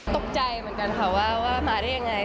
ตกใจเหมือนกันค่ะว่ามาได้ยังไง